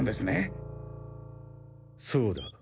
そうだ。